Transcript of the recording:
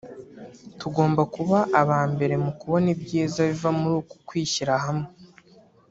tugomba kuba aba mbere mu kubona ibyiza biva muri uku kwishyira hamwe